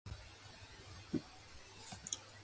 A student may be admitted to the program regardless of major.